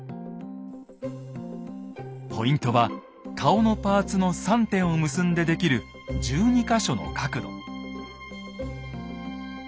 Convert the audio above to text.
ポイントは顔のパーツの３点を結んで出来る１２か所の角度。